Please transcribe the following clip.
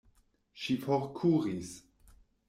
Ŝi forkuris.